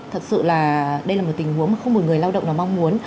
thật sự là đây là một tình huống mà không một người lao động nào mong muốn